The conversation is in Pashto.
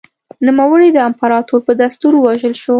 نوموړی د امپراتور په دستور ووژل شو